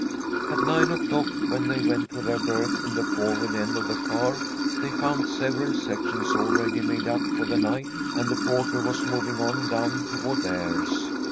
At nine o'clock, when they went to their berths in the forward end of the car, they found several sections already made up for the night, and the porter was moving on down toward theirs.